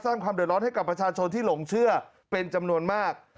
ความเดือดร้อนให้กับประชาชนที่หลงเชื่อเป็นจำนวนมาก